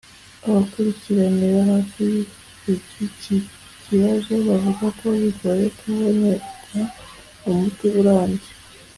Abakurikiranira hafi iby’iki kibazo bavuga ko kigoye kubonerwa umuti urambye